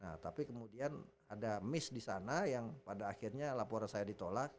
nah tapi kemudian ada miss di sana yang pada akhirnya laporan saya ditolak